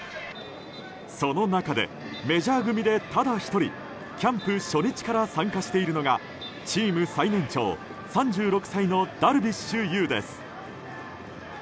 その中でメジャー組でただ１人キャンプ初日から参加しているのがチーム最年長３６歳のダルビッシュ有です。